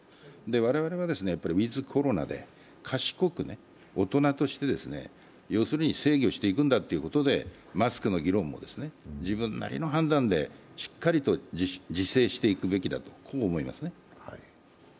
我々は、ウィズ・コロナで賢く、大人として制御していくんだということでマスクの議論も自分なりの判断でしっかりと自制していくべきだと思いますね。